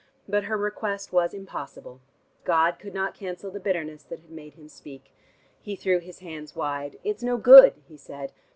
But her request was impossible. God could not cancel the bitterness that had made him speak. He threw his hands wide. "It's no good," he said.